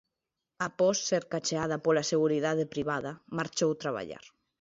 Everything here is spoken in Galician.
Após ser cacheada pola seguridade privada marchou traballar.